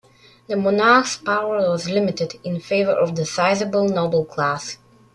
The monarch's power was limited, in favor of the sizable noble class.